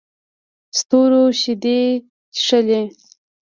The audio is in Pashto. ستورو شیدې چښلې